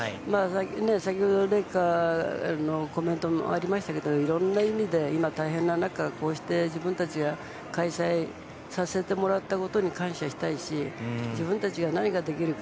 先ほど麗華のコメントもありましたけどいろんな意味で今、大変な中こうして自分たちが開催させてもらったことに感謝したいし自分たちに何ができるか。